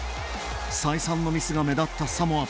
再三のミスが目立ったサモア。